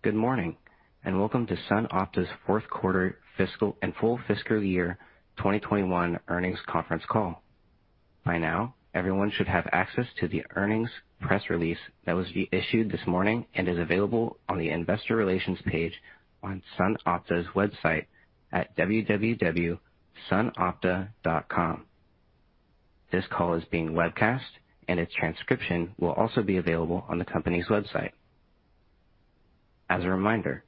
Good morning, and welcome to SunOpta's fourth quarter fiscal and full fiscal year 2021 earnings conference call. By now, everyone should have access to the earnings press release that was issued this morning and is available on the investor relations page on SunOpta's website at www.sunopta.com. This call is being webcast, and a transcription will also be available on the company's website. As a reminder,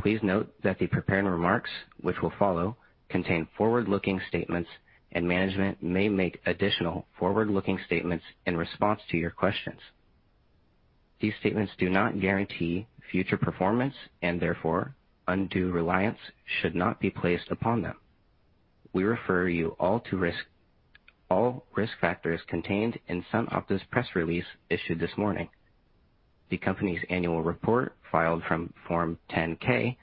please note that the prepared remarks which will follow contain forward-looking statements, and management may make additional forward-looking statements in response to your questions. These statements do not guarantee future performance, and therefore, undue reliance should not be placed upon them. We refer you all to all risk factors contained in SunOpta's press release issued this morning, the company's annual report filed on Form 10-K,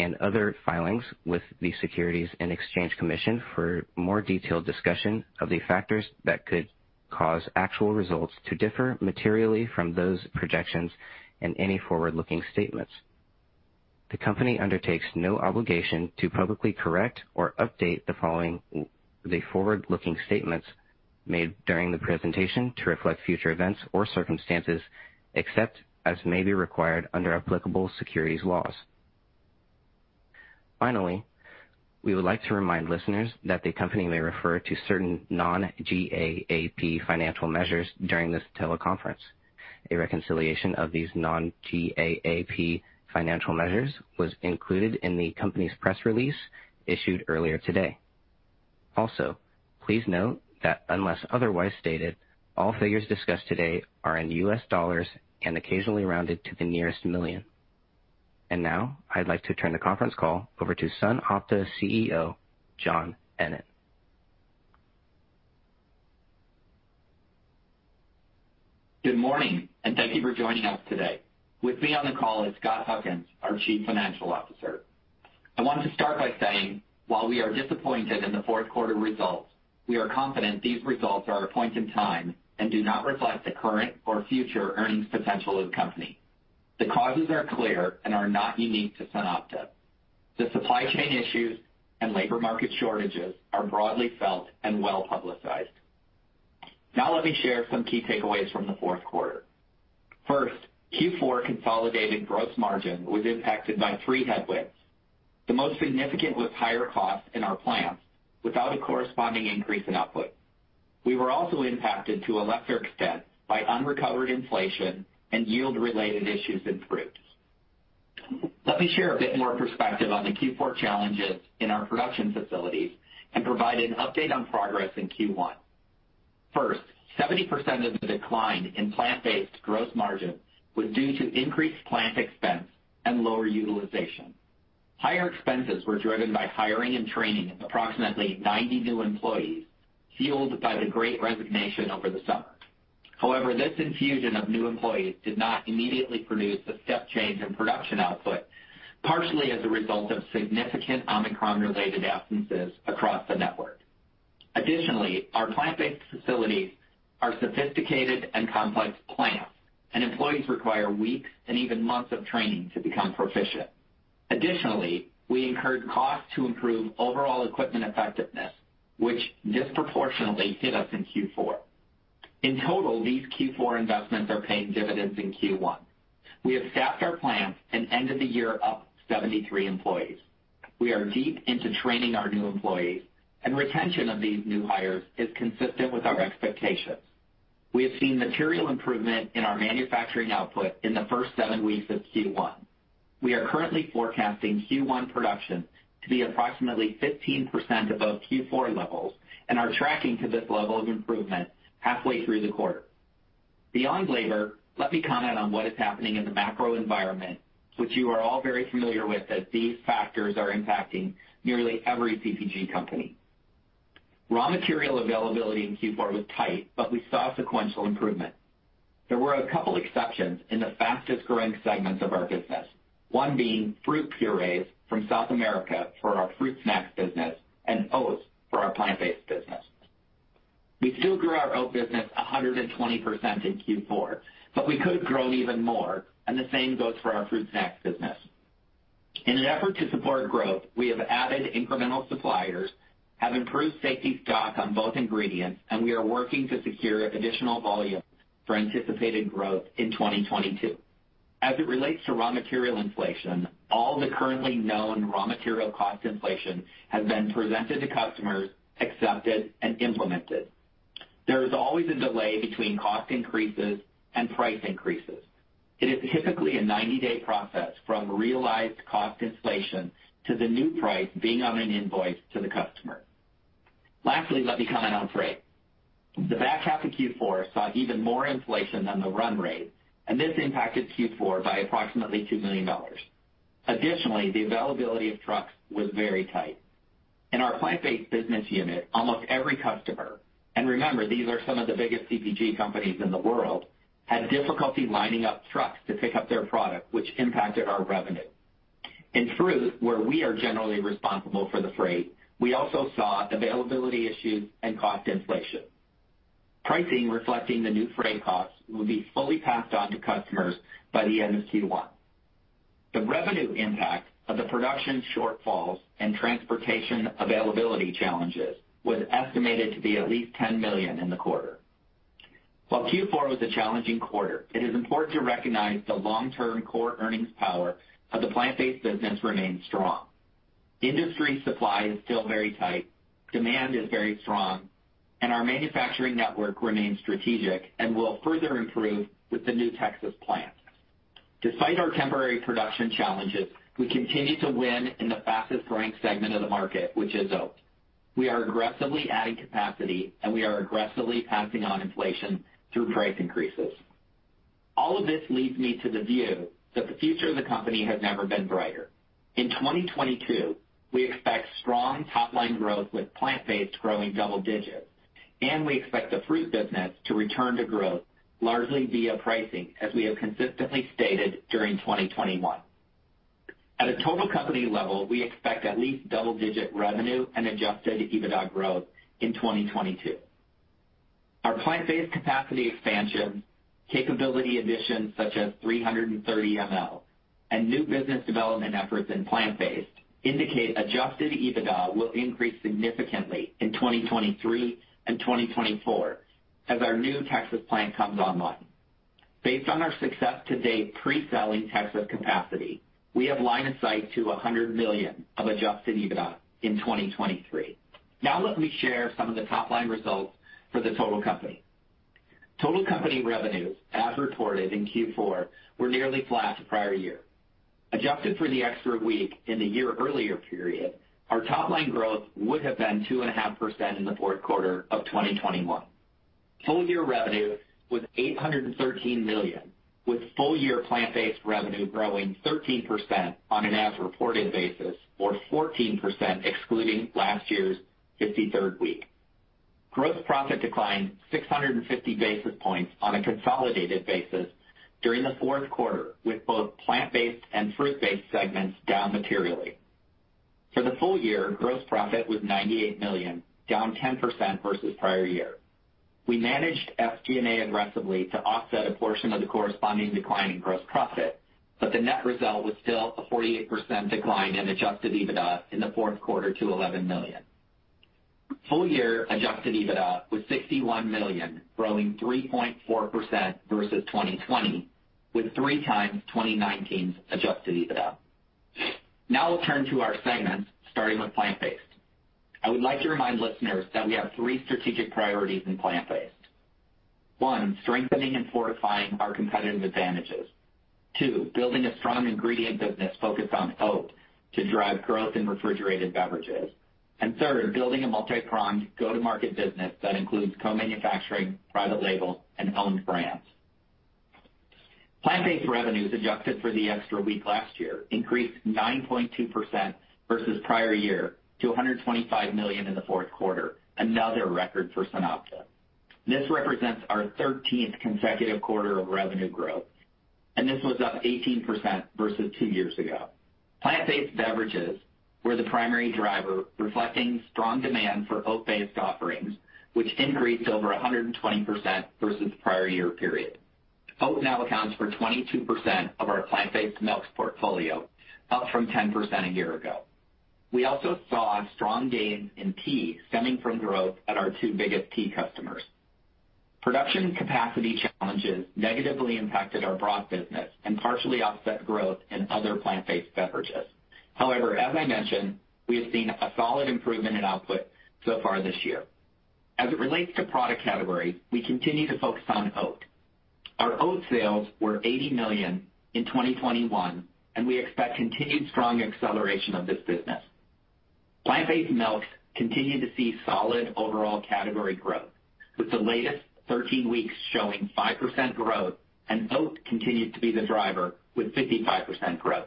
and other filings with the Securities and Exchange Commission for more detailed discussion of the factors that could cause actual results to differ materially from those projections in any forward-looking statements. The company undertakes no obligation to publicly correct or update the forward-looking statements made during the presentation to reflect future events or circumstances, except as may be required under applicable securities laws. Finally, we would like to remind listeners that the company may refer to certain non-GAAP financial measures during this teleconference. A reconciliation of these non-GAAP financial measures was included in the company's press release issued earlier today. Also, please note that unless otherwise stated, all figures discussed today are in U.S. dollars and occasionally rounded to the nearest million. Now I'd like to turn the conference call over to SunOpta's CEO, Joe Ennen. Good morning, and thank you for joining us today. With me on the call is Scott Huckins, our Chief Financial Officer. I want to start by saying, while we are disappointed in the fourth quarter results, we are confident these results are a point in time and do not reflect the current or future earnings potential of the company. The causes are clear and are not unique to SunOpta. The supply chain issues and labor market shortages are broadly felt and well-publicized. Now let me share some key takeaways from the fourth quarter. First, Q4 consolidated gross margin was impacted by three headwinds. The most significant was higher costs in our plants without a corresponding increase in output. We were also impacted to a lesser extent by unrecovered inflation and yield-related issues in fruits. Let me share a bit more perspective on the Q4 challenges in our production facilities and provide an update on progress in Q1. First, 70% of the decline in plant-based gross margin was due to increased plant expense and lower utilization. Higher expenses were driven by hiring and training approximately 90 new employees, fueled by the great resignation over the summer. However, this infusion of new employees did not immediately produce a step change in production output, partially as a result of significant Omicron-related absences across the network. Additionally, our plant-based facilities are sophisticated and complex plants, and employees require weeks, and even months of training to become proficient. Additionally, we incurred costs to improve overall equipment effectiveness, which disproportionately hit us in Q4. In total, these Q4 investments are paying dividends in Q1. We have staffed our plants and ended the year up 73 employees. We are deep into training our new employees, and retention of these new hires is consistent with our expectations. We have seen material improvement in our manufacturing output in the first seven weeks of Q1. We are currently forecasting Q1 production to be approximately 15% above Q4 levels and are tracking to this level of improvement halfway through the quarter. Beyond labor, let me comment on what is happening in the macro environment, which you are all very familiar with, as these factors are impacting nearly every CPG company. Raw material availability in Q4 was tight, but we saw sequential improvement. There were a couple exceptions in the fastest-growing segments of our business, one being fruit purees from South America for our fruit snacks business and oats for our plant-based business. We still grew our oat business 120% in Q4, but we could have grown even more, and the same goes for our fruit snacks business. In an effort to support growth, we have added incremental suppliers, have improved safety stock on both ingredients, and we are working to secure additional volume for anticipated growth in 2022. As it relates to raw material inflation, all the currently known raw material cost inflation has been presented to customers, accepted, and implemented. There is always a delay between cost increases and price increases. It is typically a 90-day process from realized cost inflation to the new price being on an invoice to the customer. Lastly, let me comment on freight. The back half of Q4 saw even more inflation than the run rate, and this impacted Q4 by approximately $2 million. Additionally, the availability of trucks was very tight. In our plant-based business unit, almost every customer, and remember, these are some of the biggest CPG companies in the world, had difficulty lining up trucks to pick up their product, which impacted our revenue. In fruit, where we are generally responsible for the freight, we also saw availability issues and cost inflation. Pricing reflecting the new freight costs will be fully passed on to customers by the end of Q1. The revenue impact of the production shortfalls and transportation availability challenges was estimated to be at least $10 million in the quarter. While Q4 was a challenging quarter, it is important to recognize the long-term core earnings power of the plant-based business remains strong. Industry supply is still very tight, demand is very strong, and our manufacturing network remains strategic and will further improve with the new Texas plant. Despite our temporary production challenges, we continue to win in the fastest-growing segment of the market, which is oat. We are aggressively adding capacity, and we are aggressively passing on inflation through price increases. All of this leads me to the view that the future of the company has never been brighter. In 2022, we expect strong top-line growth, with plant-based growing double digits, and we expect the fruit business to return to growth largely via pricing, as we have consistently stated during 2021. At a total company level, we expect at least double-digit revenue and adjusted EBITDA growth in 2022. Our plant-based capacity expansion, capability additions such as 330 ml, and new business development efforts in plant-based indicate adjusted EBITDA will increase significantly in 2023 and 2024 as our new Texas plant comes online. Based on our success to date pre-selling Texas capacity, we have line of sight to $100 million of adjusted EBITDA in 2023. Now let me share some of the top-line results for the total company. Total company revenues as reported in Q4 were nearly flat to prior year. Adjusted for the extra week in the year earlier period, our top-line growth would have been 2.5% in the fourth quarter of 2021. Full-year revenue was $813 million, with full-year plant-based revenue growing 13% on an as-reported basis or 14% excluding last year's 53rd week. Gross profit declined 650 basis points on a consolidated basis during the fourth quarter, with both plant-based and fruit-based segments down materially. For the full year, gross profit was $98 million, down 10% versus prior year. We managed SG&A aggressively to offset a portion of the corresponding decline in gross profit, but the net result was still a 48% decline in adjusted EBITDA in the fourth quarter to $11 million. Full-year adjusted EBITDA was $61 million, growing 3.4% versus 2020, with 3x 2019's adjusted EBITDA. Now we'll turn to our segments, starting with plant-based. I would like to remind listeners that we have three strategic priorities in plant-based. One, strengthening and fortifying our competitive advantages. Two, building a strong ingredient business focused on oat to drive growth in refrigerated beverages. And third, building a multi-pronged go-to-market business that includes co-manufacturing, private label, and owned brands. Plant-based revenues adjusted for the extra week last year increased 9.2% versus prior year to $125 million in the fourth quarter, another record for SunOpta. This represents our 13th consecutive quarter of revenue growth, and this was up 18% versus two years ago. Plant-based beverages were the primary driver, reflecting strong demand for oat-based offerings, which increased over 120% versus the prior year period. Oat now accounts for 22% of our plant-based milks portfolio, up from 10% a year ago. We also saw strong gains in tea stemming from growth at our two biggest tea customers. Production capacity challenges negatively impacted our broth business and partially offset growth in other plant-based beverages. However, as I mentioned, we have seen a solid improvement in output so far this year. As it relates to product category, we continue to focus on oat. Our oat sales were $80 million in 2021, and we expect continued strong acceleration of this business. Plant-based milks continue to see solid overall category growth, with the latest 13 weeks showing 5% growth, and oat continues to be the driver with 55% growth.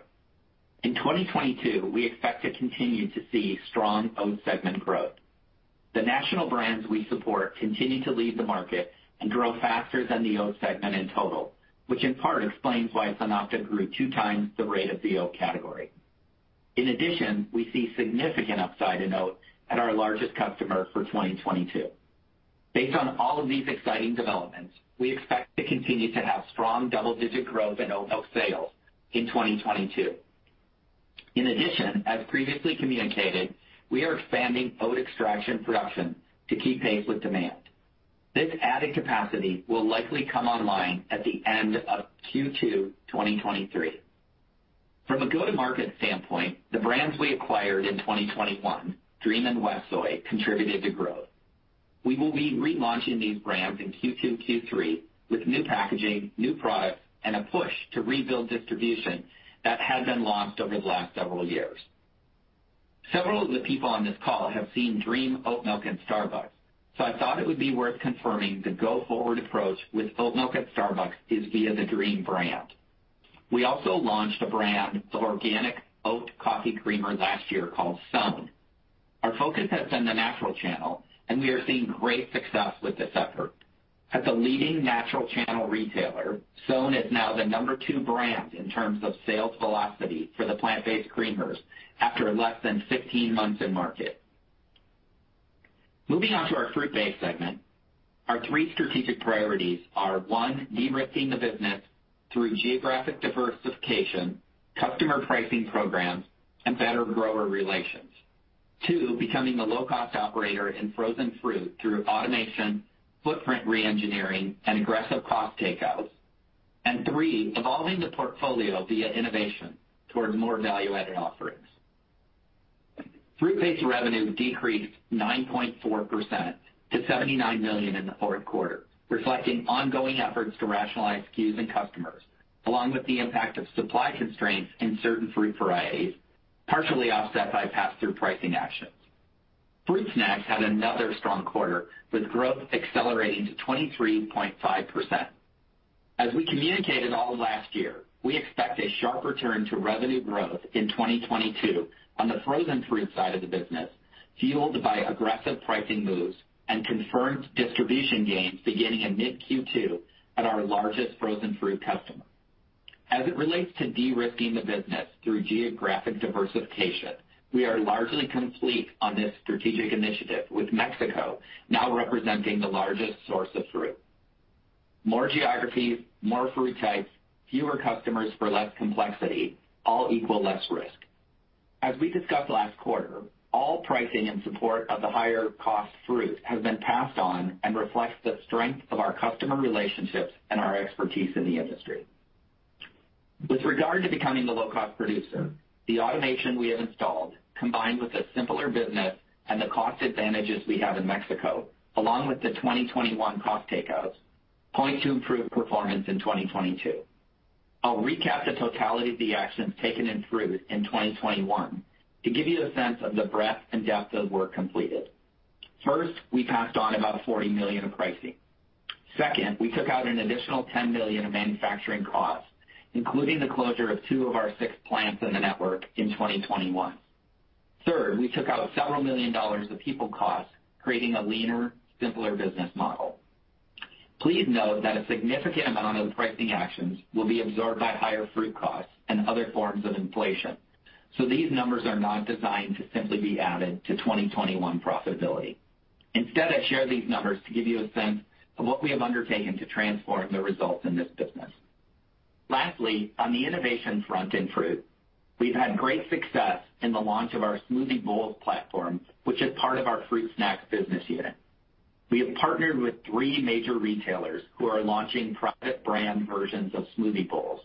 In 2022, we expect to continue to see strong oat segment growth. The national brands we support continue to lead the market and grow faster than the oat segment in total, which in part explains why SunOpta grew 2x the rate of the oat category. In addition, we see significant upside in oat at our largest customer for 2022. Based on all of these exciting developments, we expect to continue to have strong double-digit growth in oat milk sales in 2022. In addition, as previously communicated, we are expanding oat extraction production to keep pace with demand. This added capacity will likely come online at the end of Q2 2023. From a go-to-market standpoint, the brands we acquired in 2021, Dream and WestSoy, contributed to growth. We will be relaunching these brands in Q2, Q3 with new packaging, new products, and a push to rebuild distribution that had been lost over the last several years. Several of the people on this call have seen Dream Oatmilk in Starbucks, so I thought it would be worth confirming the go-forward approach with oat milk at Starbucks is via the Dream brand. We also launched a brand of organic oat coffee creamer last year called SOWN. Our focus has been the natural channel, and we are seeing great success with this effort. As a leading natural channel retailer, SOWN is now the number two brand in terms of sales velocity for the plant-based creamers after less than 15 months in market. Moving on to our fruit-based segment, our three strategic priorities are, one, de-risking the business through geographic diversification, customer pricing programs, and better grower relations. Two, becoming the low-cost operator in frozen fruit through automation, footprint re-engineering, and aggressive cost takeouts. And three, evolving the portfolio via innovation towards more value-added offerings. Fruit-based revenue decreased 9.4% to $79 million in the fourth quarter, reflecting ongoing efforts to rationalize SKUs and customers, along with the impact of supply constraints in certain fruit varieties, partially offset by pass-through pricing actions. Fruit snacks had another strong quarter, with growth accelerating to 23.5%. As we communicated all of last year, we expect a sharp return to revenue growth in 2022 on the frozen fruit side of the business, fueled by aggressive pricing moves and confirmed distribution gains beginning in mid-Q2 at our largest frozen fruit customer. As it relates to de-risking the business through geographic diversification, we are largely complete on this strategic initiative, with Mexico now representing the largest source of fruit. More geographies, more fruit types, fewer customers for less complexity, all equal less risk. As we discussed last quarter, all pricing in support of the higher cost fruit has been passed on and reflects the strength of our customer relationships and our expertise in the industry. With regard to becoming the low-cost producer, the automation we have installed, combined with a simpler business and the cost advantages we have in Mexico, along with the 2021 cost takeouts, point to improved performance in 2022. I'll recap the totality of the actions taken in fruit in 2021 to give you a sense of the breadth and depth of work completed. First, we passed on about $40 million of pricing. Second, we took out an additional $10 million of manufacturing costs, including the closure of two of our six plants in the network in 2021. Third, we took out several million dollars of people costs, creating a leaner, simpler business model. Please note that a significant amount of the pricing actions will be absorbed by higher fruit costs and other forms of inflation. These numbers are not designed to simply be added to 2021 profitability. Instead, I share these numbers to give you a sense of what we have undertaken to transform the results in this business. Lastly, on the innovation front in fruit, we've had great success in the launch of our smoothie bowls platform, which is part of our fruit snacks business unit. We have partnered with three major retailers who are launching private brand versions of smoothie bowls,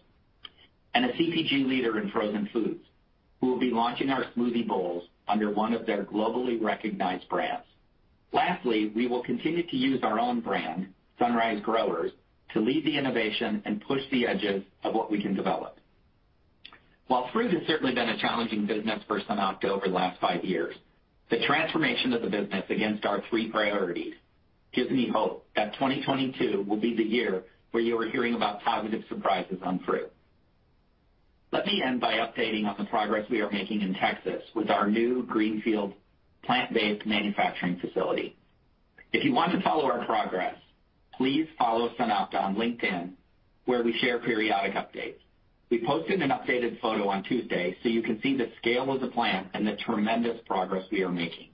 and a CPG leader in frozen foods who will be launching our smoothie bowls under one of their globally recognized brands. Lastly, we will continue to use our own brand, Sunrise Growers, to lead the innovation and push the edges of what we can develop. While fruit has certainly been a challenging business for SunOpta over the last five years, the transformation of the business against our three priorities gives me hope that 2022 will be the year where you are hearing about positive surprises on fruit. Let me end by updating on the progress we are making in Texas with our new greenfield plant-based manufacturing facility. If you want to follow our progress, please follow SunOpta on LinkedIn, where we share periodic updates. We posted an updated photo on Tuesday, so you can see the scale of the plant and the tremendous progress we are making.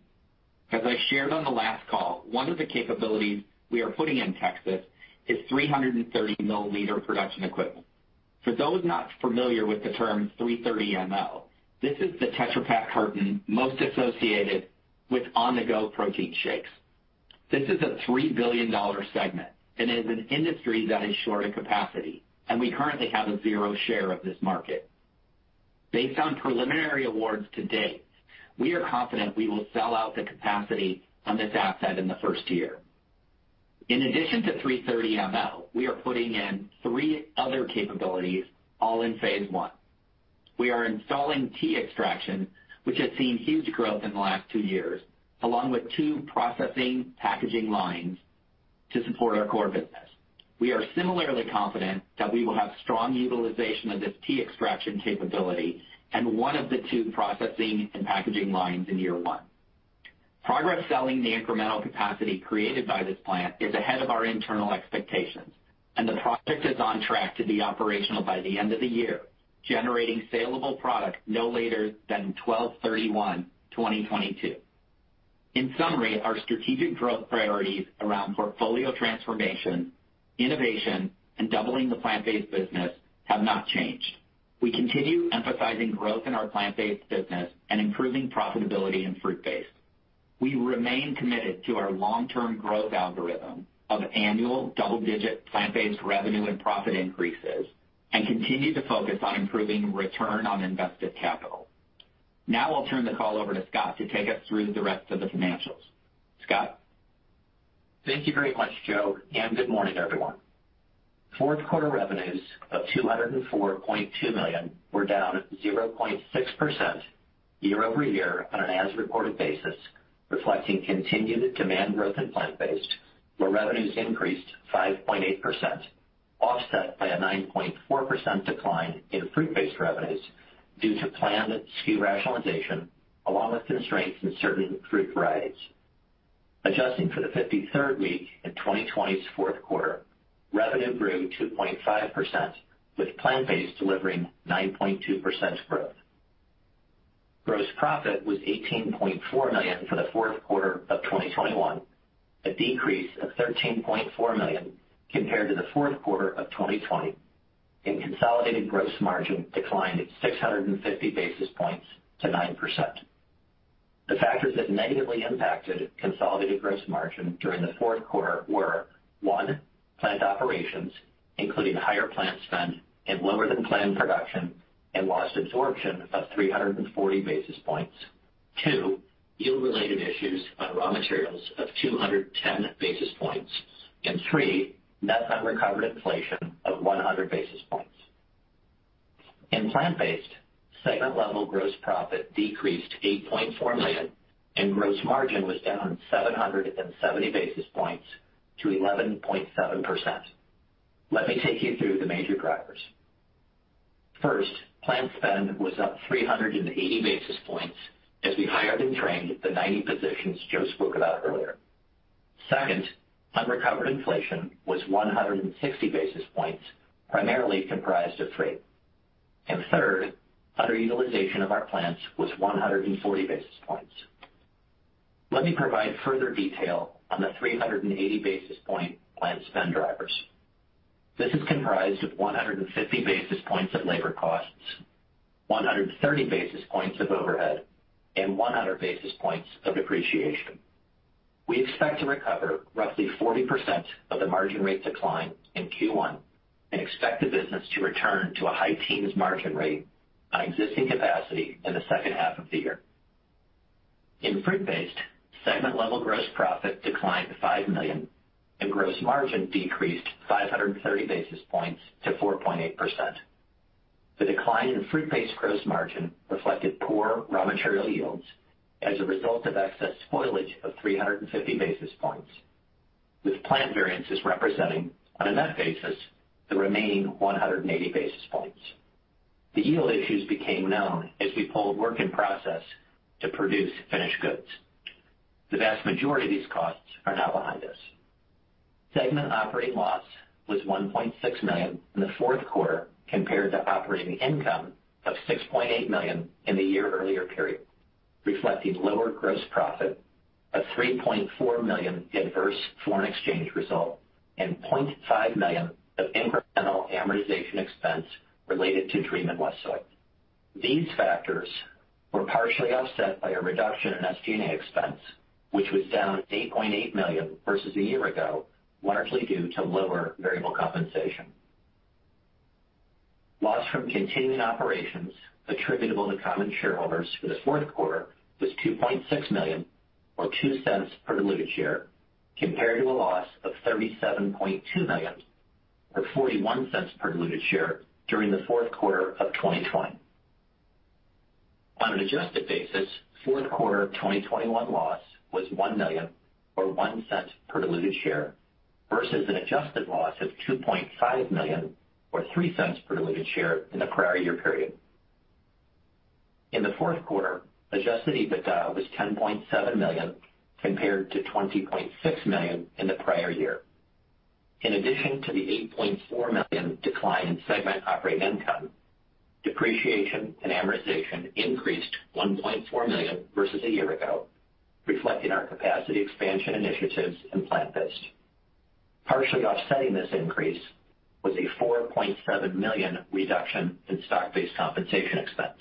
As I shared on the last call, one of the capabilities we are putting in Texas is 330 milliliter production equipment. For those not familiar with the term 330 ml, this is the Tetra Pak carton most associated with on-the-go protein shakes. This is a $3 billion segment, and it is an industry that is short in capacity, and we currently have a 0 share of this market. Based on preliminary awards to date, we are confident we will sell out the capacity on this asset in the first year. In addition to 330 ml, we are putting in three other capabilities all in phase I. We are installing tea extraction, which has seen huge growth in the last two years, along with two processing packaging lines to support our core business. We are similarly confident that we will have strong utilization of this tea extraction capability and one of the two processing and packaging lines in year one. Progress selling the incremental capacity created by this plant is ahead of our internal expectations, and the project is on track to be operational by the end of the year, generating salable product no later than 12/31/2022. In summary, our strategic growth priorities around portfolio transformation, innovation, and doubling the plant-based business have not changed. We continue emphasizing growth in our plant-based business and improving profitability in fruit-based. We remain committed to our long-term growth algorithm of annual double-digit plant-based revenue and profit increases and continue to focus on improving return on invested capital. Now I'll turn the call over to Scott to take us through the rest of the financials. Scott? Thank you very much, Joe, and good morning, everyone. Fourth quarter revenues of $204.2 million were down 0.6% year-over-year on an as-reported basis, reflecting continued demand growth in plant-based, where revenues increased 5.8%. Offset by a 9.4% decline in fruit-based revenues due to planned SKU rationalization, along with constraints in certain fruit varieties. Adjusting for the 53rd week in 2020's fourth quarter, revenue grew 2.5%, with plant-based delivering 9.2% growth. Gross profit was $18.4 million for the fourth quarter of 2021, a decrease of $13.4 million compared to the fourth quarter of 2020, and consolidated gross margin declined 650 basis points to 9%. The factors that negatively impacted consolidated gross margin during the fourth quarter were, one, plant operations, including higher plant spend and lower-than-planned production and loss absorption of 340 basis points. Two, yield-related issues on raw materials of 210 basis points. And three, net unrecovered inflation of 100 basis points. In plant-based segment-level gross profit decreased $8.4 million and gross margin was down 770 basis points to 11.7%. Let me take you through the major drivers. First, plant spend was up 380 basis points as we hired and trained the 90 positions Joe spoke about earlier. Second, unrecovered inflation was 160 basis points, primarily comprised of freight. Third, underutilization of our plants was 140 basis points. Let me provide further detail on the 380 basis point plant spend drivers. This is comprised of 150 basis points of labor costs, 130 basis points of overhead, and 100 basis points of depreciation. We expect to recover roughly 40% of the margin rate decline in Q1 and expect the business to return to a high teens margin rate on existing capacity in the second half of the year. In fruit-based segment level gross profit declined to $5 million, and gross margin decreased 530 basis points to 4.8%. The decline in fruit-based gross margin reflected poor raw material yields as a result of excess spoilage of 350 basis points, with plant variances representing, on a net basis, the remaining 180 basis points. The yield issues became known as we pulled work in process to produce finished goods. The vast majority of these costs are now behind us. Segment operating loss was $1.6 million in the fourth quarter compared to operating income of $6.8 million in the year earlier period, reflecting lower gross profit of $3.4 million adverse foreign exchange result, and $0.5 million of incremental amortization expense related to Dream and WestSoy. These factors were partially offset by a reduction in SG&A expense, which was down $8.8 million versus a year ago, largely due to lower variable compensation. Loss from continuing operations attributable to common shareholders for the fourth quarter was $2.6 million or $0.02 per diluted share, compared to a loss of $37.2 million or $0.41 per diluted share during the fourth quarter of 2020. On an adjusted basis, fourth quarter of 2021 loss was $1 million or $0.01 per diluted share versus an adjusted loss of $2.5 million or $0.03 per diluted share in the prior year period. In the fourth quarter, adjusted EBITDA was $10.7 million compared to $20.6 million in the prior year. In addition to the $8.4 million decline in segment operating income, depreciation and amortization increased $1.4 million versus a year ago, reflecting our capacity expansion initiatives in plant-based. Partially offsetting this increase was a $4.7 million reduction in stock-based compensation expense.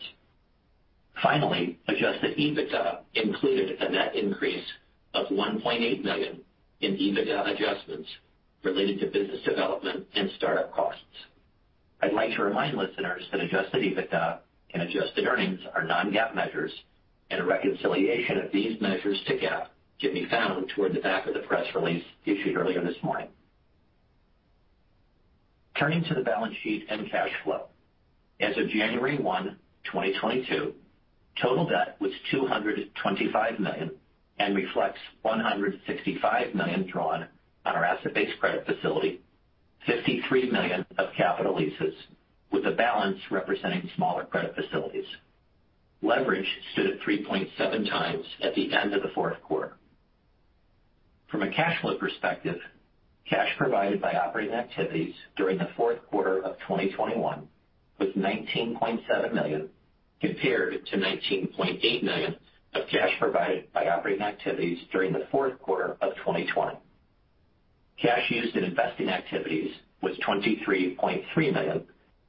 Finally, adjusted EBITDA included a net increase of $1.8 million in EBITDA adjustments related to business development and startup costs. I'd like to remind listeners that adjusted EBITDA and adjusted earnings are non-GAAP measures, and a reconciliation of these measures to GAAP can be found toward the back of the press release issued earlier this morning. Turning to the balance sheet and cash flow. As of January 1, 2022, total debt was $225 million and reflects $165 million drawn on our asset-based credit facility, $53 million of capital leases with a balance representing smaller credit facilities. Leverage stood at 3.7x at the end of the fourth quarter. From a cash flow perspective, cash provided by operating activities during the fourth quarter of 2021 was $19.7 million, compared to $19.8 million of cash provided by operating activities during the fourth quarter of 2020. Cash used in investing activities was $23.3 million,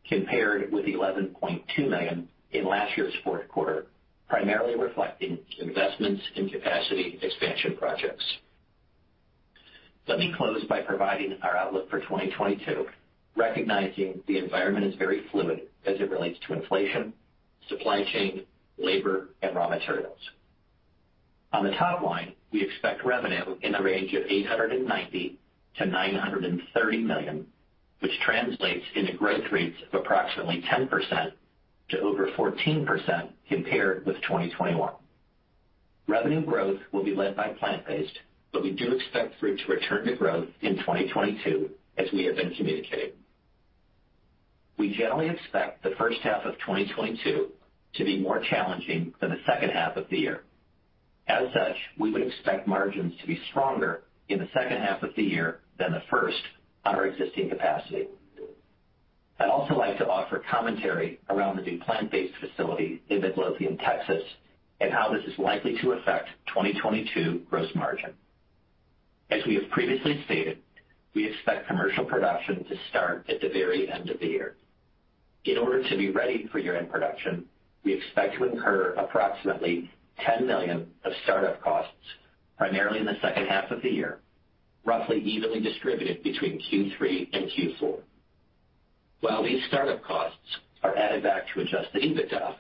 compared with $11.2 million in last year's fourth quarter, primarily reflecting investments in capacity expansion projects. Let me close by providing our outlook for 2022, recognizing the environment is very fluid as it relates to inflation, supply chain, labor, and raw materials. On the top line, we expect revenue in the range of $890 million-$930 million, which translates into growth rates of approximately 10% to over 14% compared with 2021. Revenue growth will be led by plant-based, but we do expect fruit to return to growth in 2022 as we have been communicating. We generally expect the first half of 2022 to be more challenging than the second half of the year. As such, we would expect margins to be stronger in the second half of the year than the first on our existing capacity. I'd also like to offer commentary around the new plant-based facility in Midlothian, Texas, and how this is likely to affect 2022 gross margin. As we have previously stated, we expect commercial production to start at the very end of the year. In order to be ready for year-end production, we expect to incur approximately $10 million of start-up costs primarily in the second half of the year, roughly evenly distributed between Q3 and Q4. While these start-up costs are added back to adjusted EBITDA,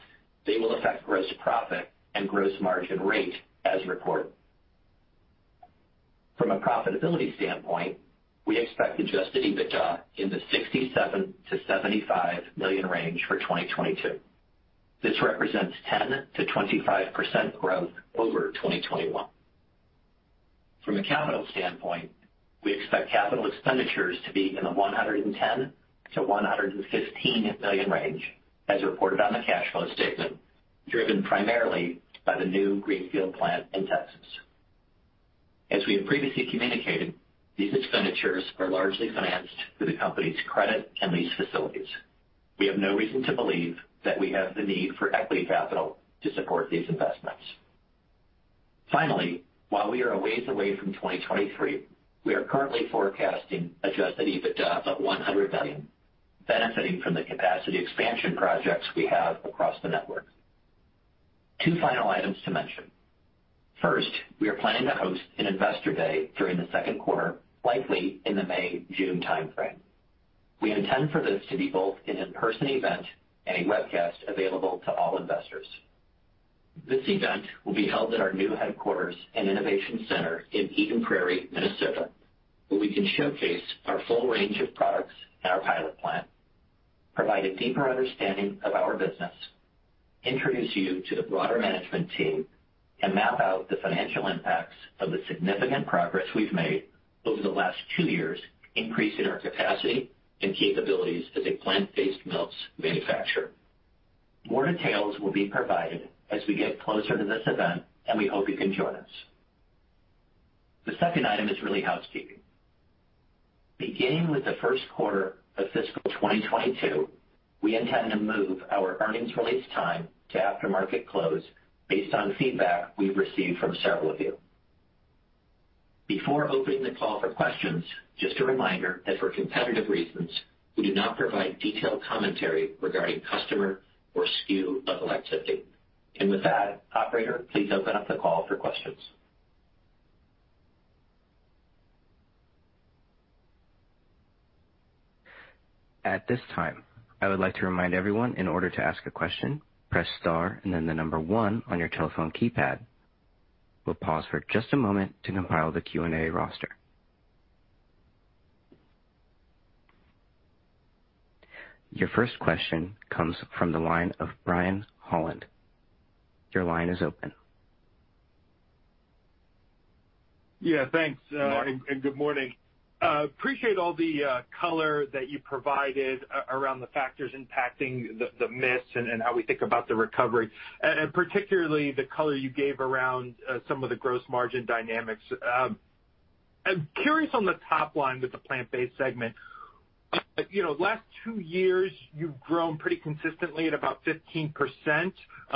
they will affect gross profit and gross margin rate as reported. From a profitability standpoint, we expect adjusted EBITDA in the $67 million-$75 million range for 2022. This represents 10%-25% growth over 2021. From a capital standpoint, we expect capital expenditures to be in the $110 million-$115 million range as reported on the cash flow statement, driven primarily by the new greenfield plant in Texas. As we have previously communicated, these expenditures are largely financed through the company's credit and lease facilities. We have no reason to believe that we have the need for equity capital to support these investments. Finally, while we are a ways away from 2023, we are currently forecasting adjusted EBITDA of $100 million, benefiting from the capacity expansion projects we have across the network. Two final items to mention. First, we are planning to host an investor day during the second quarter, likely in the May, June timeframe. We intend for this to be both an in-person event and a webcast available to all investors. This event will be held at our new headquarters and innovation center in Eden Prairie, Minnesota, where we can showcase our full range of products and our pilot plant, provide a deeper understanding of our business, introduce you to the broader management team, and map out the financial impacts of the significant progress we've made over the last two years increasing our capacity and capabilities as a plant-based milks manufacturer. More details will be provided as we get closer to this event, and we hope you can join us. The second item is really housekeeping. Beginning with the first quarter of fiscal 2022, we intend to move our earnings release time to after market close based on feedback we've received from several of you. Before opening the call for questions, just a reminder that for competitive reasons, we do not provide detailed commentary regarding customer or SKU level activity. With that, operator, please open up the call for questions. At this time, I would like to remind everyone in order to ask a question, press star and then the number one on your telephone keypad. We'll pause for just a moment to compile the Q&A roster. Your first question comes from the line of Brian Holland. Your line is open. Yeah, thanks and good morning. I appreciate all the color that you provided around the factors impacting the miss and how we think about the recovery, and particularly the color you gave around some of the gross margin dynamics. I'm curious on the top line with the plant-based segment. You know, last two years, you've grown pretty consistently at about 15%.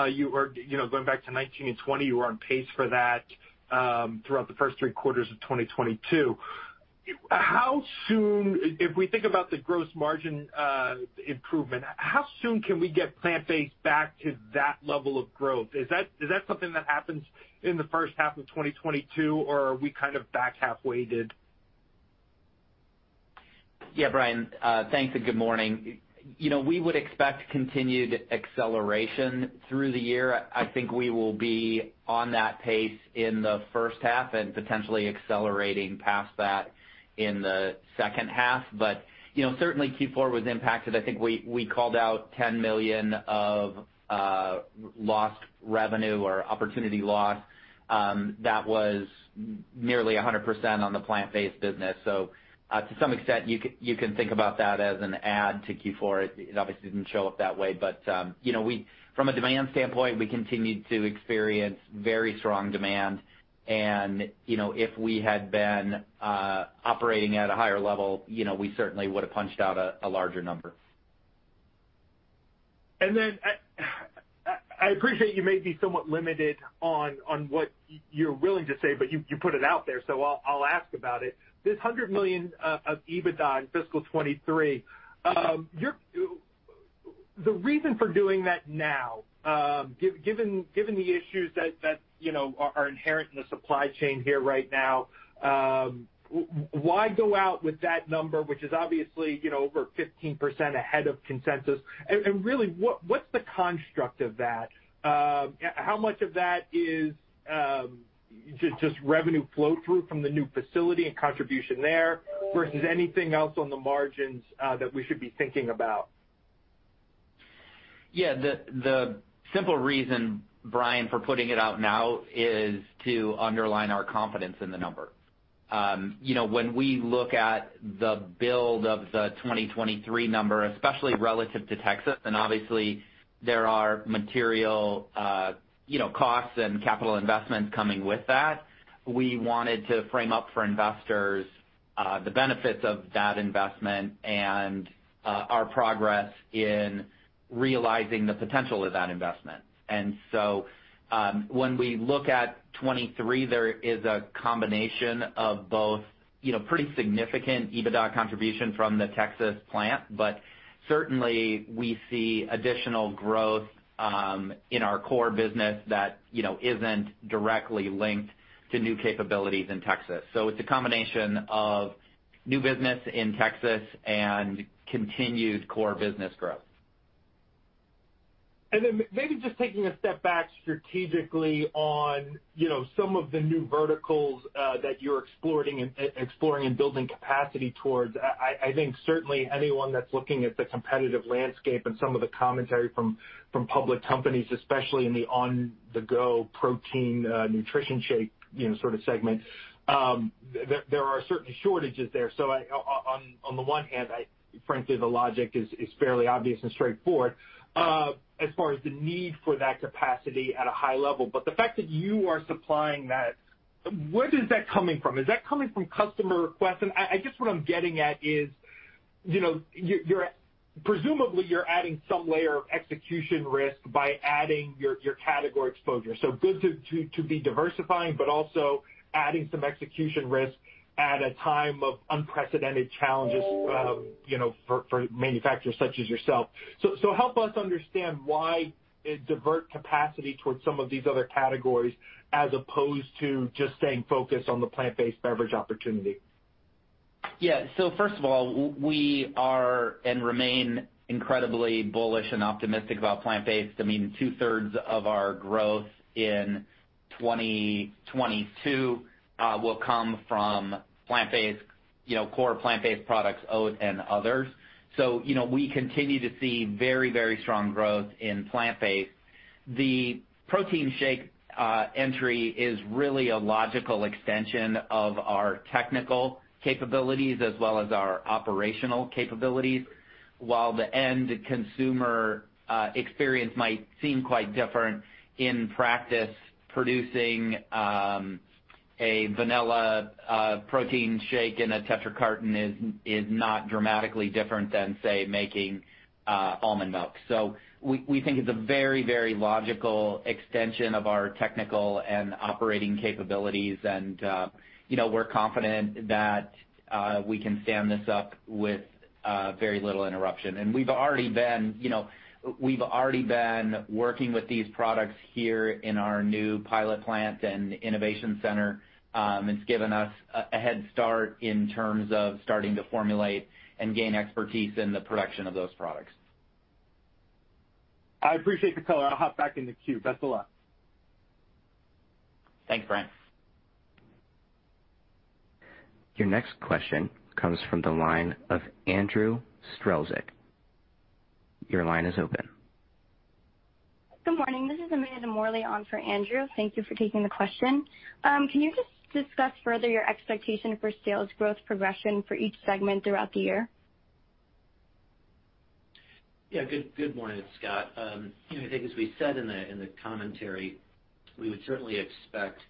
You know, going back to 2019 and 2020, you were on pace for that throughout the first three quarters of 2022. How soon, if we think about the gross margin improvement, can we get plant-based back to that level of growth? Is that something that happens in the first half of 2022, or are we kind of back-half weighted? Yeah, Brian, thanks and good morning. You know, we would expect continued acceleration through the year. I think we will be on that pace in the first half and potentially accelerating past that in the second half. You know, certainly Q4 was impacted. I think we called out $10 million of lost revenue or opportunity loss, that was nearly 100% on the plant-based business. To some extent, you can think about that as an add to Q4. It obviously didn't show up that way. You know, from a demand standpoint, we continued to experience very strong demand. You know, if we had been operating at a higher level, you know, we certainly would have punched out a larger number. I appreciate you may be somewhat limited on what you're willing to say, but you put it out there, so I'll ask about it. This $100 million of EBITDA in fiscal 2023. The reason for doing that now, given the issues that you know are inherent in the supply chain here right now. Why go out with that number, which is obviously you know over 15% ahead of consensus? Really what's the construct of that? How much of that is just revenue flow through from the new facility and contribution there versus anything else on the margins that we should be thinking about? Yeah, the simple reason, Brian, for putting it out now is to underline our confidence in the number. You know, when we look at the build of the 2023 number, especially relative to Texas, and obviously there are material, you know, costs and capital investments coming with that. We wanted to frame up for investors, the benefits of that investment and, our progress in realizing the potential of that investment. When we look at 2023, there is a combination of both, you know, pretty significant EBITDA contribution from the Texas plant, but certainly we see additional growth, in our core business that, you know, isn't directly linked to new capabilities in Texas. It's a combination of new business in Texas and continued core business growth. Maybe just taking a step back strategically on, you know, some of the new verticals that you're exploring and building capacity towards. I think certainly anyone that's looking at the competitive landscape and some of the commentary from public companies, especially in the on-the-go protein nutrition shake, you know, sort of segment, there are certain shortages there. On the one hand, frankly, the logic is fairly obvious and straightforward as far as the need for that capacity at a high level. The fact that you are supplying that, where is that coming from? Is that coming from customer requests? I guess what I'm getting at is, you know, you're presumably adding some layer of execution risk by adding your category exposure. Good to be diversifying, but also adding some execution risk at a time of unprecedented challenges, you know, for manufacturers such as yourself. Help us understand why divert capacity towards some of these other categories as opposed to just staying focused on the plant-based beverage opportunity. Yeah. First of all, we are and remain incredibly bullish and optimistic about plant-based. I mean, 2/3 of our growth in 2022 will come from plant-based, you know, core plant-based products, oat, and others. You know, we continue to see very, very strong growth in plant-based. The protein shake entry is really a logical extension of our technical capabilities as well as our operational capabilities. While the end consumer experience might seem quite different in practice, producing a vanilla protein shake in a Tetra Pak carton is not dramatically different than, say, making almond milk. We think it's a very, very logical extension of our technical and operating capabilities. You know, we're confident that we can stand this up with very little interruption. We've already been working with these products here in our new pilot plant and innovation center. It's given us a head start in terms of starting to formulate and gain expertise in the production of those products. I appreciate the color. I'll hop back in the queue. Best of luck. Thanks, Brian. Your next question comes from the line of Andrew Strelzik. Your line is open. Good morning. This is Amanda Morley on for Andrew. Thank you for taking the question. Can you just discuss further your expectation for sales growth progression for each segment throughout the year? Yeah. Good morning, Scott. You know, I think as we said in the commentary, we would certainly expect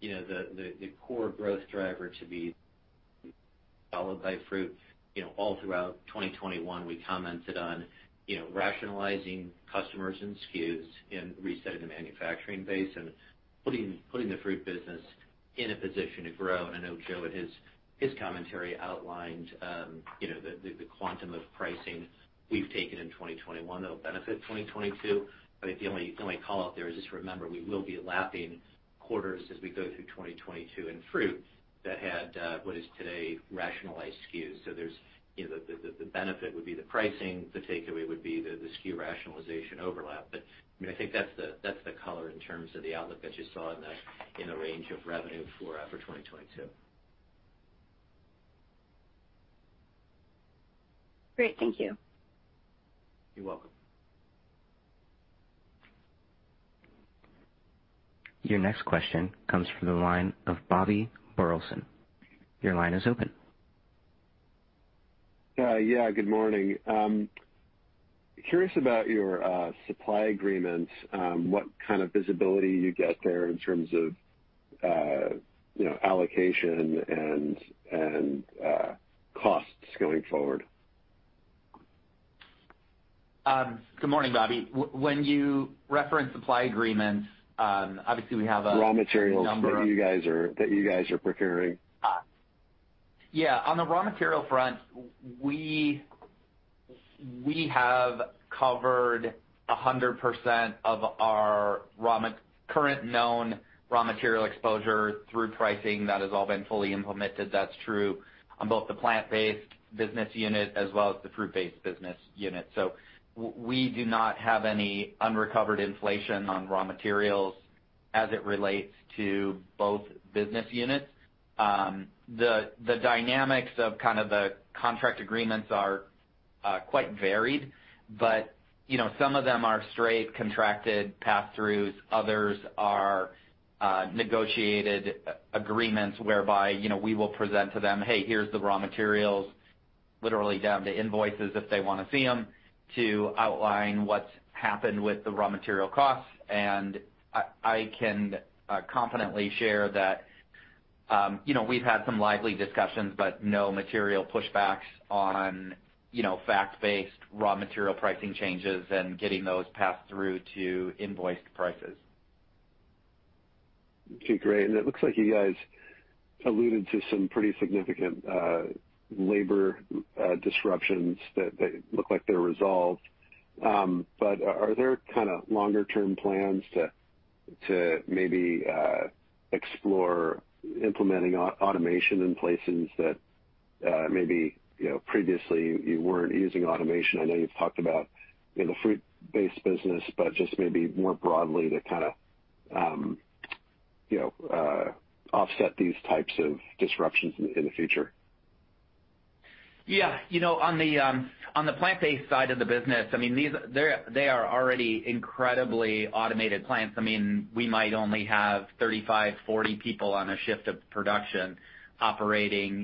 the core growth driver to be followed by fruit all throughout 2021. We commented on rationalizing customers and SKUs and resetting the manufacturing base and putting the fruit business in a position to grow. I know Joe, in his commentary outlined the quantum of pricing we've taken in 2021 that'll benefit 2022. I think the only call out there is just remember, we will be lapping quarters as we go through 2022 in fruit that had what is today rationalized SKUs. There's the benefit would be the pricing. The takeaway would be the SKU rationalization overlap. I mean, I think that's the color in terms of the outlook that you saw in the range of revenue for 2022. Great. Thank you. You're welcome. Your next question comes from the line of Bobby Burleson. Your line is open. Yeah, good morning. Curious about your supply agreements, what kind of visibility you get there in terms of, you know, allocation and costs going forward. Good morning, Bobby. When you reference supply agreements, obviously we have... Raw materials that you guys are procuring. Yeah. On the raw material front, we have covered 100% of our current known raw material exposure through pricing that has all been fully implemented. That's true on both the plant-based business unit as well as the fruit-based business unit. We do not have any unrecovered inflation on raw materials. As it relates to both business units, the dynamics of kind of the contract agreements are quite varied, but you know, some of them are straight contracted passthroughs. Others are negotiated agreements whereby, you know, we will present to them, "Hey, here's the raw materials," literally down to invoices if they wanna see them, to outline what's happened with the raw material costs. I can confidently share that, you know, we've had some lively discussions, but no material pushbacks on, you know, fact-based raw material pricing changes and getting those passed through to invoiced prices. Okay, great. It looks like you guys alluded to some pretty significant labor disruptions that look like they're resolved. Are there kinda longer term plans to maybe explore implementing automation in places that maybe you know previously you weren't using automation? I know you've talked about in the fruit-based business, but just maybe more broadly to kinda offset these types of disruptions in the future. Yeah. You know, on the plant-based side of the business, I mean, they are already incredibly automated plants. I mean, we might only have 35, 40 people on a shift of production operating,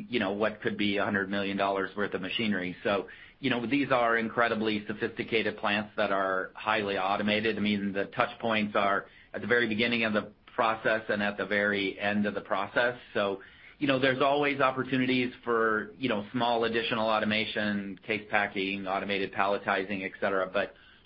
you know, what could be $100 million worth of machinery. You know, these are incredibly sophisticated plants that are highly automated. I mean, the touch points are at the very beginning of the process and at the very end of the process. You know, there's always opportunities for, you know, small additional automation, case packing, automated palletizing, et cetera.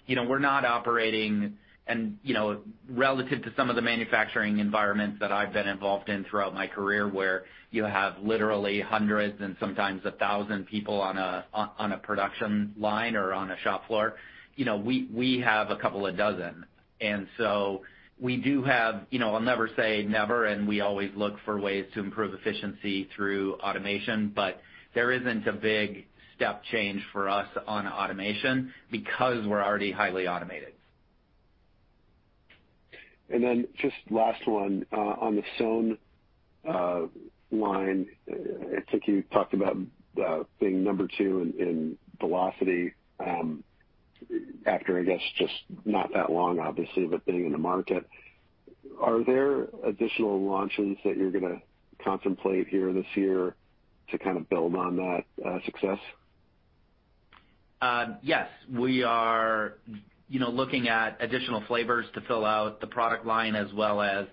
You know, we're not operating and, you know, relative to some of the manufacturing environments that I've been involved in throughout my career, where you have literally hundreds and sometimes 1,000 people on a production line or on a shop floor. You know, we have a couple of dozen. You know, I'll never say never, and we always look for ways to improve efficiency through automation. There isn't a big step change for us on automation because we're already highly automated. Just last one, on the SOWN line. I think you talked about being number two in velocity after, I guess, just not that long, obviously, but being in the market. Are there additional launches that you're gonna contemplate here this year to kind of build on that success? Yes. We are, you know, looking at additional flavors to fill out the product line, as well as,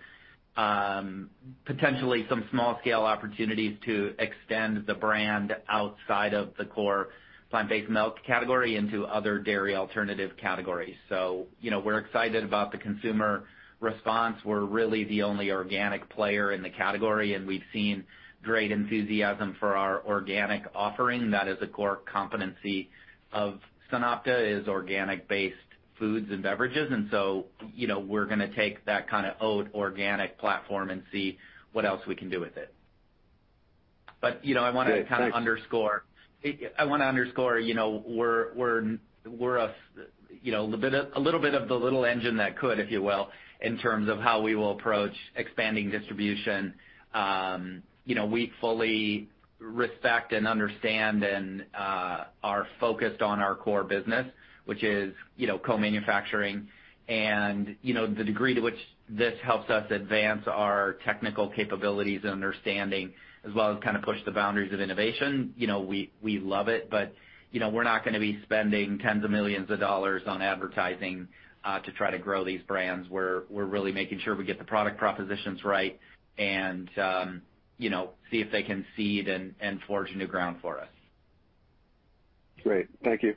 potentially some small scale opportunities to extend the brand outside of the core plant-based milk category into other dairy alternative categories. You know, we're excited about the consumer response. We're really the only organic player in the category, and we've seen great enthusiasm for our organic offering. That is a core competency of SunOpta, is organic based foods and beverages. You know, we're gonna take that kind of oat organic platform and see what else we can do with it. You know, I wanna kind of underscore- Great, thanks. I wanna underscore, you know, we're a little bit of the little engine that could, if you will, in terms of how we will approach expanding distribution. You know, we fully respect and understand and are focused on our core business, which is, you know, co-manufacturing. You know, the degree to which this helps us advance our technical capabilities and understanding as well as kind of push the boundaries of innovation, you know, we love it. You know, we're not gonna be spending tens of millions of dollars on advertising to try to grow these brands. We're really making sure we get the product propositions right and, you know, see if they can seed and forge new ground for us. Great. Thank you.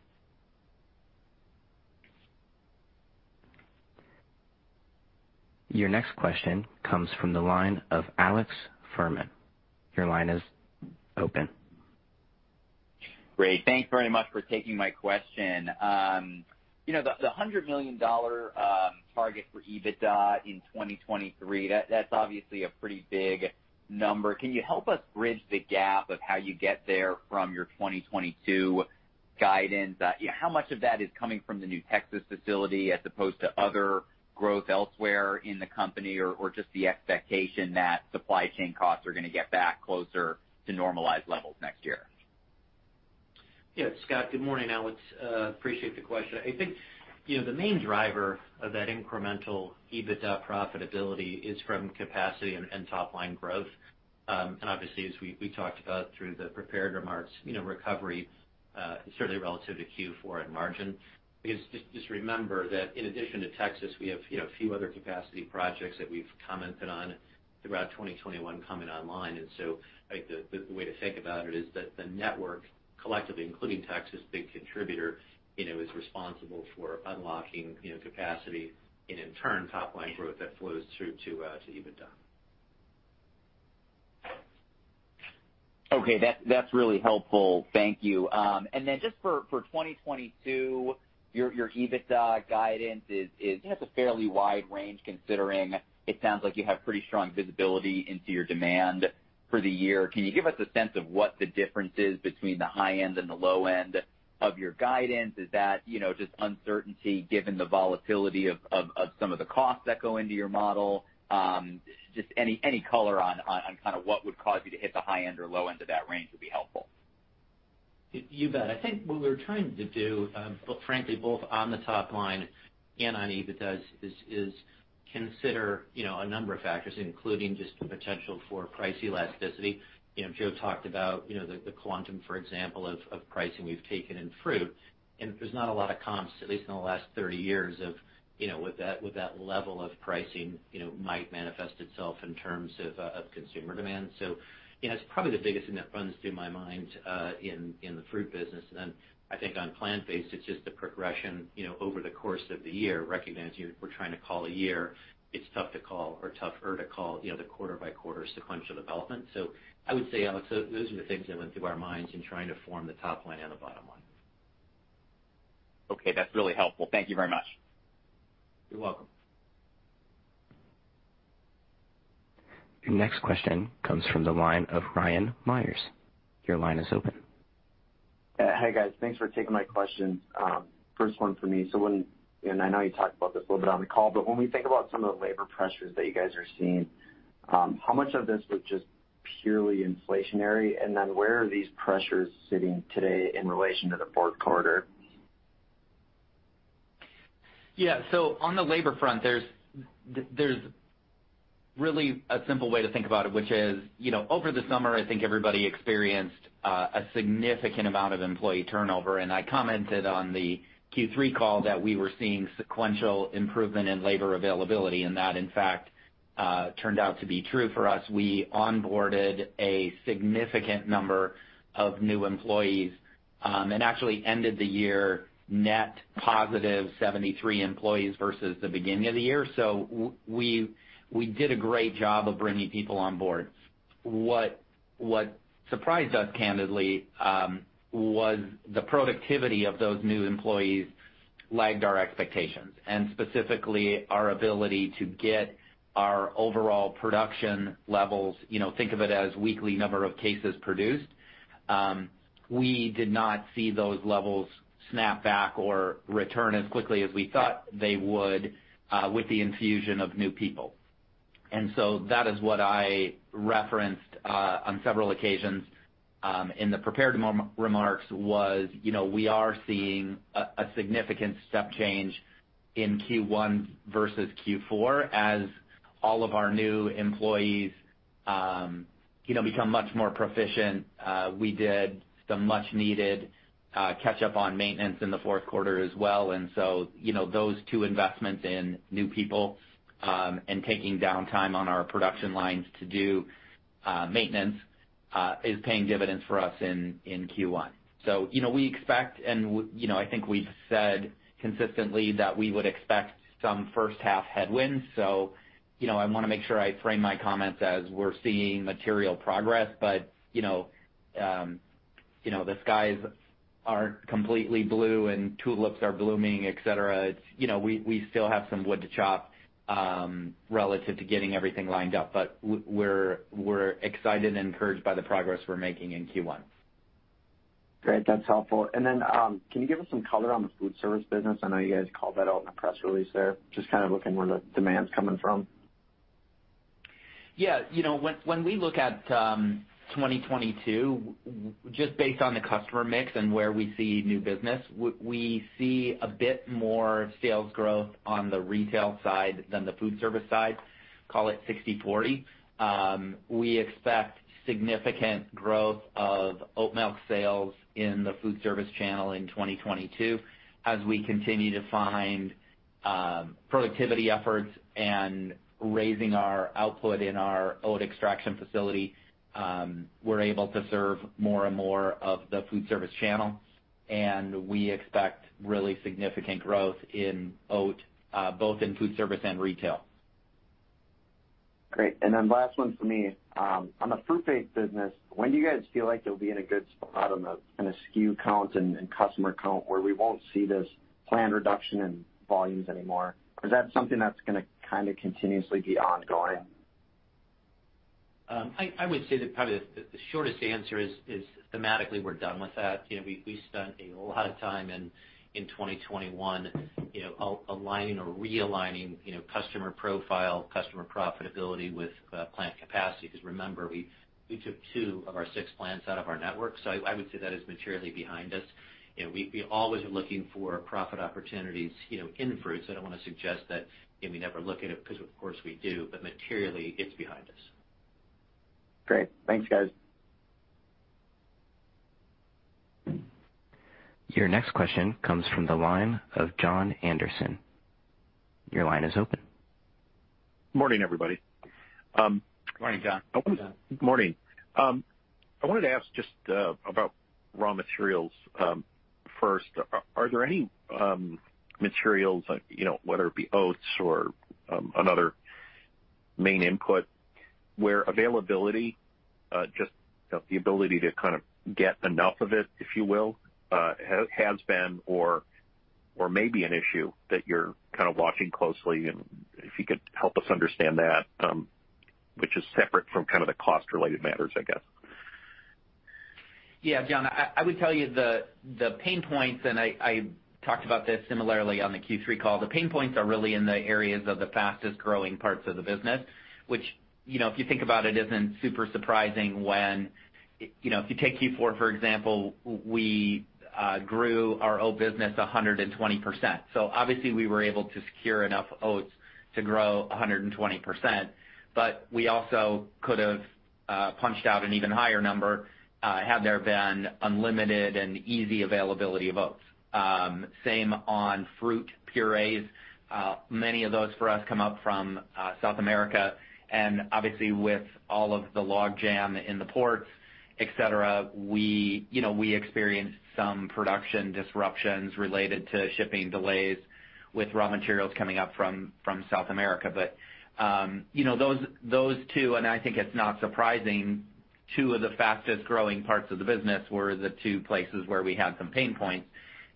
Your next question comes from the line of Alex Fuhrman. Your line is open. Great. Thanks very much for taking my question. You know, the $100 million target for EBITDA in 2023, that's obviously a pretty big number. Can you help us bridge the gap of how you get there from your 2022 guidance? How much of that is coming from the new Texas facility as opposed to other growth elsewhere in the company? Or just the expectation that supply chain costs are gonna get back closer to normalized levels next year? Yeah. Scott, good morning, Alex. Appreciate the question. I think, you know, the main driver of that incremental EBITDA profitability is from capacity and top line growth. Obviously, as we talked about through the prepared remarks, you know, recovery certainly relative to Q4 and margin. Because just remember that in addition to Texas, we have, you know, a few other capacity projects that we've commented on throughout 2021 coming online. I think the way to think about it is that the network collectively, including Texas, big contributor, you know, is responsible for unlocking, you know, capacity and in turn, top line growth that flows through to EBITDA. Okay. That, that's really helpful. Thank you. Just for 2022, your EBITDA guidance is, you know, it's a fairly wide range considering it sounds like you have pretty strong visibility into your demand. For the year, can you give us a sense of what the difference is between the high end and the low end of your guidance? Is that, you know, just uncertainty given the volatility of some of the costs that go into your model? Just any color on kind of what would cause you to hit the high end or low end of that range would be helpful. You bet. I think what we're trying to do, frankly, both on the top line and on EBITDA's is consider, you know, a number of factors, including just the potential for price elasticity. You know, Joe talked about, you know, the quantum, for example, of pricing we've taken in fruit, and there's not a lot of comps, at least in the last 30 years of, you know, what that level of pricing, you know, might manifest itself in terms of consumer demand. So, you know, it's probably the biggest thing that runs through my mind in the fruit business. Then I think on plant-based, it's just a progression, you know, over the course of the year, recognizing we're trying to call a year, it's tough to call or tougher to call, you know, the quarter by quarter sequential development. I would say, Alex, so those are the things that went through our minds in trying to form the top line and the bottom line. Okay, that's really helpful. Thank you very much. You're welcome. Your next question comes from the line of Ryan Meyers. Your line is open. Hey, guys. Thanks for taking my questions. First one for me. I know you talked about this a little bit on the call, but when we think about some of the labor pressures that you guys are seeing, how much of this was just purely inflationary? And then where are these pressures sitting today in relation to the fourth quarter? Yeah. On the labor front, there's really a simple way to think about it, which is, you know, over the summer, I think everybody experienced a significant amount of employee turnover. I commented on the Q3 call that we were seeing sequential improvement in labor availability, and that, in fact, turned out to be true for us. We onboarded a significant number of new employees, and actually ended the year net positive 73 employees versus the beginning of the year. We did a great job of bringing people on board. What surprised us candidly was the productivity of those new employees lagged our expectations and specifically our ability to get our overall production levels. You know, think of it as weekly number of cases produced. We did not see those levels snap back or return as quickly as we thought they would with the infusion of new people. That is what I referenced on several occasions in the prepared remarks. You know, we are seeing a significant step change in Q1 versus Q4 as all of our new employees you know become much more proficient. We did some much needed catch up on maintenance in the fourth quarter as well. You know, those two investments in new people and taking downtime on our production lines to do maintenance is paying dividends for us in Q1. You know, we expect you know I think we've said consistently that we would expect some first half headwinds. You know, I wanna make sure I frame my comments as we're seeing material progress. You know, you know, the skies aren't completely blue and tulips are blooming, et cetera. You know, we still have some wood to chop, relative to getting everything lined up, but we're excited and encouraged by the progress we're making in Q1. Great. That's helpful. Can you give us some color on the food service business? I know you guys called that out in the press release there. Just kind of looking where the demand's coming from. Yeah. You know, when we look at 2022, just based on the customer mix and where we see new business, we see a bit more sales growth on the retail side than the food service side, call it 60/40. We expect significant growth of oat milk sales in the food service channel in 2022 as we continue to find productivity efforts and raising our output in our oat extraction facility. We're able to serve more and more of the food service channel, and we expect really significant growth in oat both in food service and retail. Great. Last one for me. On the fruit-based business, when do you guys feel like you'll be in a good spot on the SKU count and customer count where we won't see this planned reduction in volumes anymore? Or is that something that's gonna kind of continuously be ongoing? I would say that probably the shortest answer is thematically we're done with that. You know, we spent a lot of time in 2021, you know, aligning or realigning, you know, customer profile, customer profitability with plant capacity. Because remember, we took two of our six plants out of our network. I would say that is materially behind us. You know, we always are looking for profit opportunities, you know, in fruits. I don't wanna suggest that, you know, we never look at it because of course, we do, but materially it's behind us. Great. Thanks, guys. Your next question comes from the line of Jon Andersen. Your line is open. Morning, everybody. Morning, John. Morning, John. Morning. I wanted to ask just about raw materials. First, are there any materials, you know, whether it be oats or another main input where availability just, you know, the ability to kind of get enough of it, if you will, has been or maybe an issue that you're kind of watching closely, and if you could help us understand that, which is separate from kind of the cost-related matters, I guess. Yeah, John, I would tell you the pain points, and I talked about this similarly on the Q3 call. The pain points are really in the areas of the fastest-growing parts of the business, which, you know, if you think about it, isn't super surprising. You know, if you take Q4, for example, we grew our oat business 120%. So obviously, we were able to secure enough oats to grow 120%. But we also could have punched out an even higher number had there been unlimited and easy availability of oats. Same on fruit purees. Many of those for us come up from South America, and obviously, with all of the logjam in the ports, et cetera, you know, we experienced some production disruptions related to shipping delays with raw materials coming up from South America. You know, those two, and I think it's not surprising, two of the fastest-growing parts of the business were the two places where we had some pain points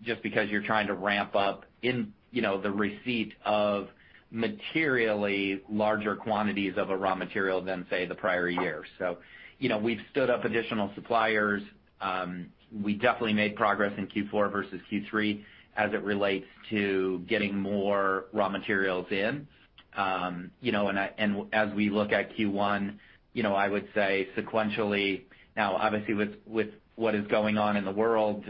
just because you're trying to ramp up, you know, the receipt of materially larger quantities of a raw material than, say, the prior year. You know, we've stood up additional suppliers. We definitely made progress in Q4 versus Q3 as it relates to getting more raw materials in. You know, as we look at Q1, you know, I would say sequentially. Now, obviously, with what is going on in the world,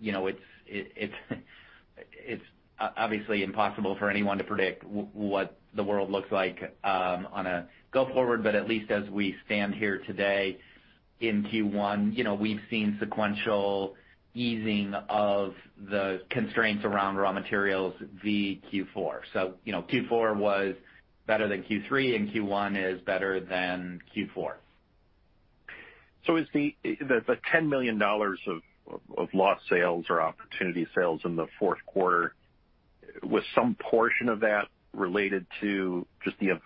you know, it's obviously impossible for anyone to predict what the world looks like going forward. At least as we stand here today in Q1, you know, we've seen sequential easing of the constraints around raw materials vs. Q4. Q4 was better than Q3, and Q1 is better than Q4. Is the $10 million of lost sales or opportunity sales in the fourth quarter, was some portion of that related to just the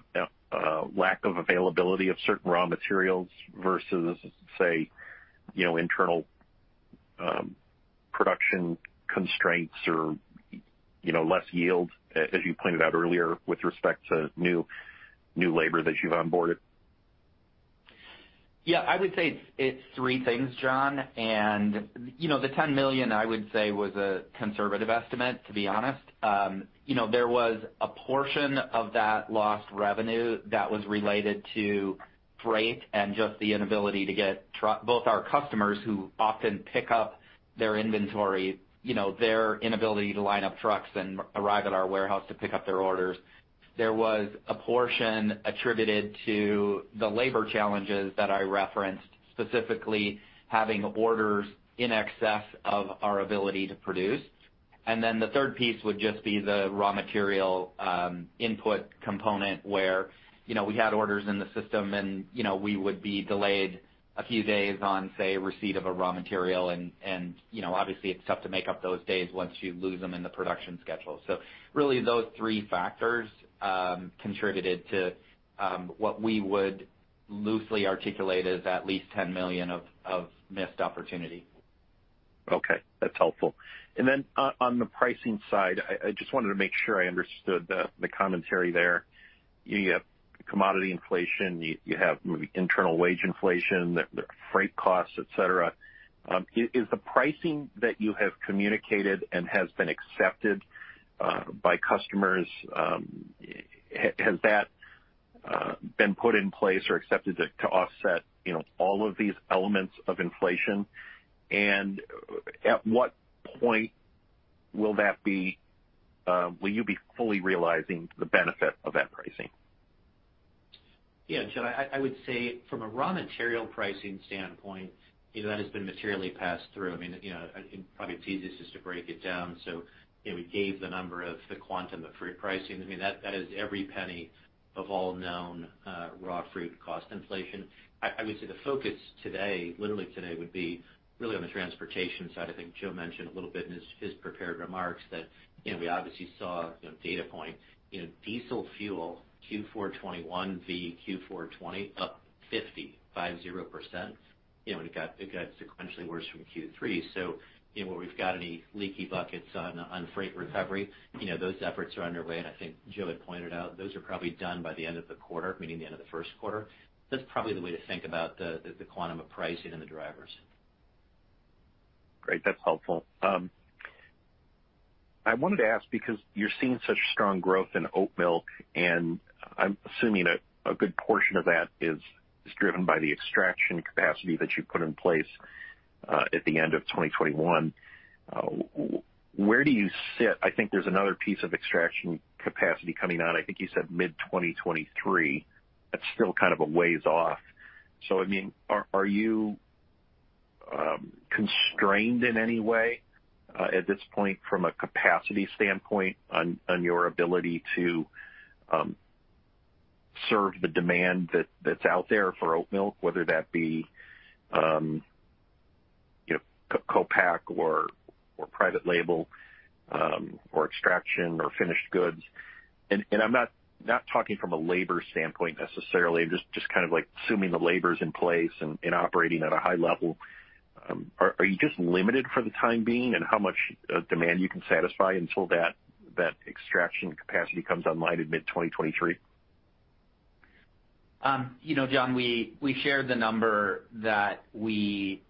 lack of availability of certain raw materials versus, say, you know, internal production constraints or, you know, less yield, as you pointed out earlier, with respect to new labor that you've onboarded? Yeah. I would say it's three things, John. You know, the $10 million, I would say, was a conservative estimate, to be honest. You know, there was a portion of that lost revenue that was related to freight and just the inability to get both our customers who often pick up their inventory, you know, their inability to line up trucks and arrive at our warehouse to pick up their orders. There was a portion attributed to the labor challenges that I referenced, specifically having orders in excess of our ability to produce. The third piece would just be the raw material input component where, you know, we had orders in the system and, you know, we would be delayed a few days on, say, receipt of a raw material and you know, obviously it's tough to make up those days once you lose them in the production schedule. Really those three factors contributed to what we would loosely articulate as at least $10 million of missed opportunity. Okay, that's helpful. On the pricing side, I just wanted to make sure I understood the commentary there. You have commodity inflation, you have maybe internal wage inflation, the freight costs, et cetera. Is the pricing that you have communicated and has been accepted by customers has that been put in place or accepted to offset, you know, all of these elements of inflation? At what point will you be fully realizing the benefit of that pricing? Yeah, Jon, I would say from a raw material pricing standpoint, you know, that has been materially passed through. I mean, you know, probably the easiest is to break it down. You know, we gave the number of the quantum of fruit pricing. I mean, that is every penny of all known raw fruit cost inflation. I would say the focus today, literally today, would be really on the transportation side. I think Joe mentioned a little bit in his prepared remarks that, you know, we obviously saw, you know, data point. You know, diesel fuel Q4 2021 vs. Q4 2020, up 50%. You know, it got sequentially worse from Q3. You know, where we've got any leaky buckets on freight recovery, you know, those efforts are underway. I think Joe had pointed out, those are probably done by the end of the quarter, meaning the end of the first quarter. That's probably the way to think about the quantum of pricing and the drivers. Great. That's helpful. I wanted to ask because you're seeing such strong growth in oat milk, and I'm assuming a good portion of that is driven by the extraction capacity that you put in place at the end of 2021. Where do you sit? I think there's another piece of extraction capacity coming on. I think you said mid-2023. That's still kind of a ways off. I mean, are you constrained in any way at this point from a capacity standpoint on your ability to serve the demand that's out there for oat milk, whether that be you know, co-pack or private label or extraction or finished goods? I'm not talking from a labor standpoint necessarily, just kind of like assuming the labor's in place and operating at a high level. Are you just limited for the time being in how much demand you can satisfy until that extraction capacity comes online in mid-2023? You know, John, we shared the number that we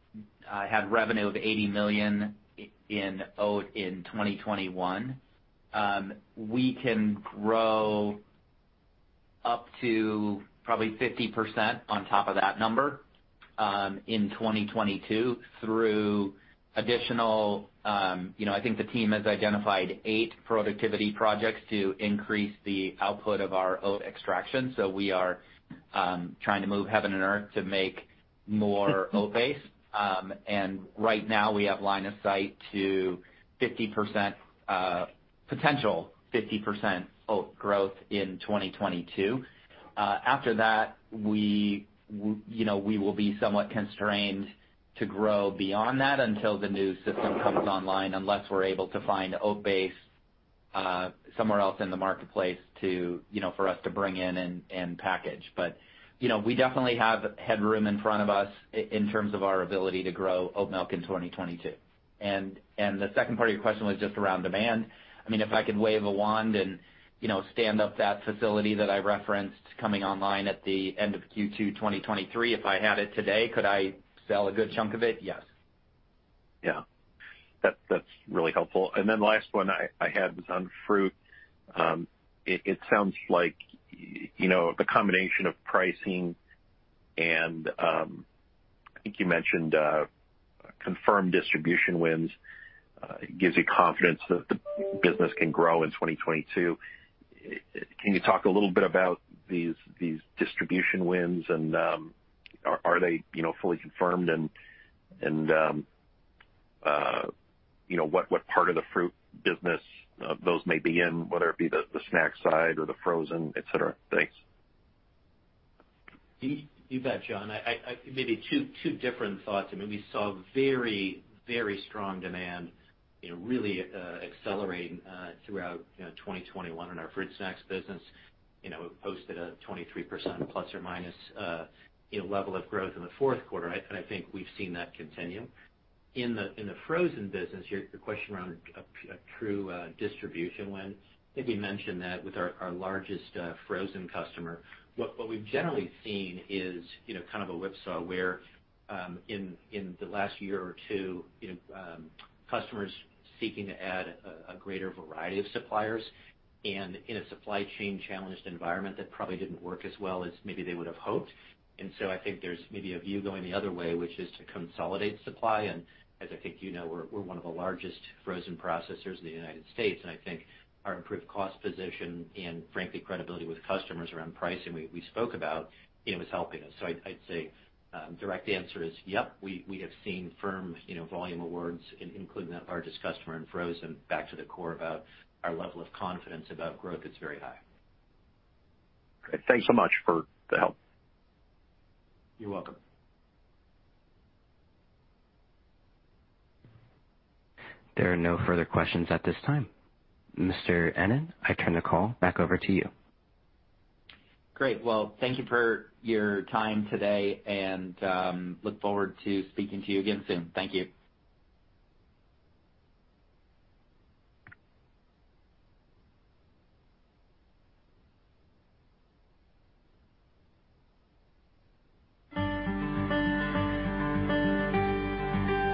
had revenue of $80 million in oat in 2021. We can grow up to probably 50% on top of that number in 2022 through additional. You know, I think the team has identified eight productivity projects to increase the output of our oat extraction. We are trying to move heaven and earth to make more oat base. Right now, we have line of sight to 50% potential 50% oat growth in 2022. After that, we will be somewhat constrained to grow beyond that until the new system comes online, unless we are able to find oat base somewhere else in the marketplace to, you know, for us to bring in and package. You know, we definitely have headroom in front of us in terms of our ability to grow oat milk in 2022. The second part of your question was just around demand. I mean, if I could wave a wand and, you know, stand up that facility that I referenced coming online at the end of Q2 2023, if I had it today, could I sell a good chunk of it? Yes. Yeah. That's really helpful. Last one I had was on fruit. It sounds like you know the combination of pricing and I think you mentioned confirmed distribution wins gives you confidence that the business can grow in 2022. Can you talk a little bit about these distribution wins and are they you know fully confirmed? You know what part of the fruit business those may be in whether it be the snack side or the frozen et cetera? Thanks. You bet, John. Maybe two different thoughts. I mean, we saw very strong demand, you know, really accelerating throughout, you know, 2021 in our fruit snacks business. You know, it posted a 23% ± level of growth in the fourth quarter. I think we've seen that continue. In the frozen business, your question around a true distribution wins, I think we mentioned that with our largest frozen customer. What we've generally seen is, you know, kind of a whipsaw where, in the last year or two, you know, customers seeking to add a greater variety of suppliers and in a supply chain challenged environment that probably didn't work as well as maybe they would have hoped. I think there's maybe a view going the other way, which is to consolidate supply. I think you know, we're one of the largest frozen processors in the United States, and I think our improved cost position and frankly, credibility with customers around pricing we spoke about, you know, is helping us. I'd say, direct answer is, yep, we have seen firm, you know, volume awards including our largest customer in frozen back to the core about our level of confidence about growth is very high. Great. Thanks so much for the help. You're welcome. There are no further questions at this time. Mr. Ennen, I turn the call back over to you. Great. Well, thank you for your time today, and I look forward to speaking to you again soon. Thank you.